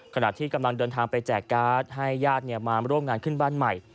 ขณะที่กำลังเดินทางไปแจกการ์ดให้ญาติมาร่วมงานขึ้นบ้านใหม่